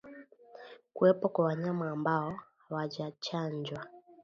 Kuwepo kwa wanyama ambao hawajachanjwa